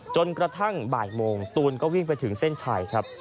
จนกระทั่งบ่ายโมงตูนก็วิ่งไปถึงเส้นชัยครับ